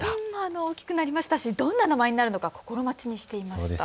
大きくなりましたし、どんな名前になるのか心待ちにしていました。